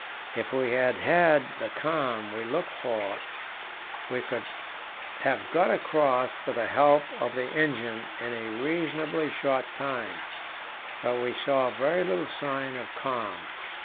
If we had had the calms we looked for, we could have got across with the help of the engine in a reasonably short time, but we saw very little sign of calms.